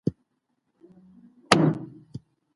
شنو ساحو او پارکونو پراختیا موندلې وه.